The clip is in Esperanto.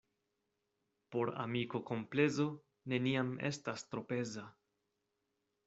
Por amiko komplezo neniam estas tro peza.